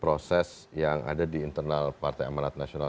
proses yang ada di internal partai amarat nasional